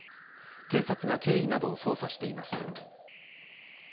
警察が経緯などを捜査しています。